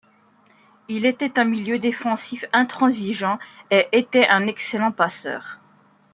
Il était un milieu défensif intransigeant et était un excellent passeur.